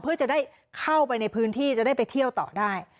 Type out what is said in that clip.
เพื่อจะได้เข้าไปในพื้นที่จะได้ไปเที่ยวต่อได้